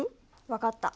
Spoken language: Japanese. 分かった。